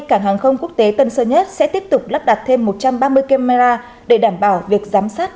cảng hàng không quốc tế tân sơn nhất sẽ tiếp tục lắp đặt thêm một trăm ba mươi camera để đảm bảo việc giám sát